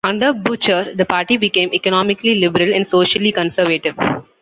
Under Bucher, the party became economically liberal and socially conservative.